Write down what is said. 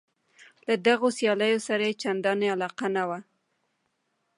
له دغو سیالیو سره یې چندانې علاقه نه وه.